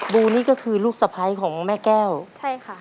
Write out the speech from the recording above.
ูนี่ก็คือลูกสะพ้ายของแม่แก้วใช่ค่ะ